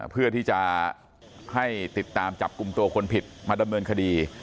เพื่อที่จะให้ติดตามจับกลุ่มตัวคนผิดมาดำเนินคดี